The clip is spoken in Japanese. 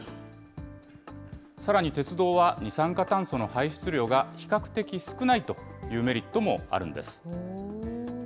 さらに鉄道は二酸化炭素の排出量が比較的少ないというメリットもあるんです。